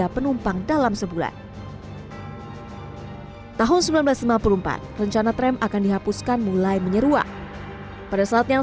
penumpang dalam sebulan tahun seribu sembilan ratus lima puluh empat rencana tram akan dihapuskan mulai menyeruak pada saat yang